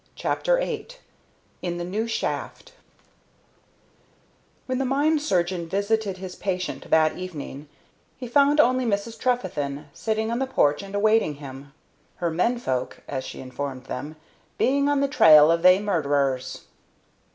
CHAPTER VIII IN THE NEW SHAFT When the mine surgeon visited his patient that evening he found only Mrs. Trefethen, sitting on the porch and awaiting him, "her men folk," as she informed him, "being on the trail of they murderers."